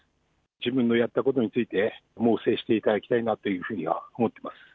自分のやったことについて、猛省していただきたいなというふうには思ってます。